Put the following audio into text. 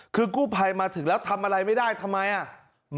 คือกู้ภัยมาถึงแล้วทำอะไรไม่ได้ทำไมอ่ะ